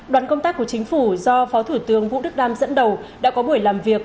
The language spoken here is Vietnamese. đoàn công tác của chính phủ do phó thủ tướng vũ đức đam dẫn đầu đã có buổi làm việc